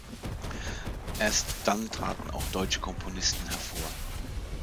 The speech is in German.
Erst dann traten auch deutsche Komponisten hervor.